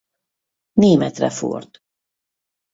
Németre ford.